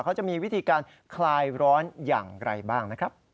เขาจะมีวิธีการคลายร้อนอย่างไรบ้างนะครับ